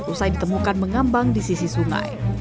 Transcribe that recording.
usai ditemukan mengambang di sisi sungai